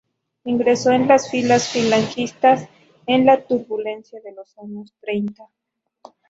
Ingresó en las filas falangistas en la turbulencia de los años treinta.